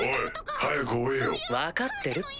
おい早く追えよ。分かってるって。